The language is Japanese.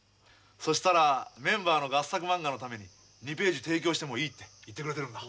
そしたらメンバーの合作まんがのために２ページ提供してもいいって言ってくれてるんだ。